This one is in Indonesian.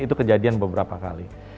itu kejadian beberapa kali